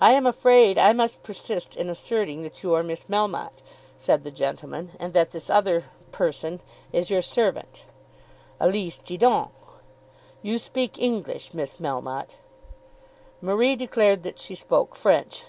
"I am afraid I must persist in asserting that you are Miss Melmotte," said the gentleman, "and that this other person is your servant, Elise Didon. You speak English, Miss Melmotte." Marie declared that she spoke French.